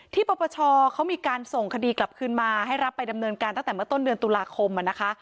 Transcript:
ปปชเขามีการส่งคดีกลับคืนมาให้รับไปดำเนินการตั้งแต่เมื่อต้นเดือนตุลาคมนะคะ